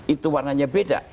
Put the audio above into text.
itu warnanya beda